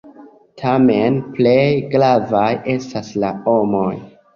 Tamen plej gravaj estas la homoj.